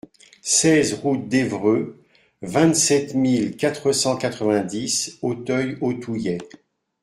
seize route d'Evreux, vingt-sept mille quatre cent quatre-vingt-dix Autheuil-Authouillet